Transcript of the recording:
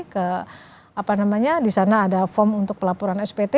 ke apa namanya di sana ada form untuk pelaporan spt